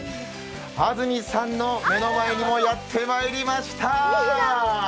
安住さんの目の前にもやってまいりました。